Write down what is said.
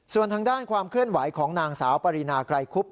ส่วนทางด้านความเคลื่อนไหวของนางสาวปรินาไกรคุบ